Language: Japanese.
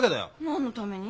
何のために？